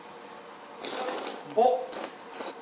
おっ！